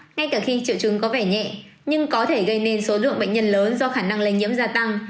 ngay cả khi triệu chứng có vẻ nhẹ nhưng có thể gây nên số lượng bệnh nhân lớn do khả năng lây nhiễm gia tăng